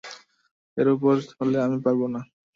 এর উপর হলে আমি পারব না।